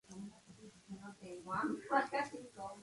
La Ronde